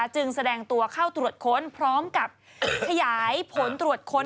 จึงแสดงตัวเข้าตรวจค้นพร้อมกับขยายผลตรวจค้น